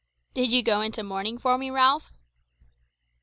"Did you go into mourning for me, Ralph?"